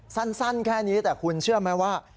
สั้นแค่นี้แต่คุณเชื่อไหมว่า